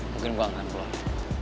mungkin gua anggap lu aja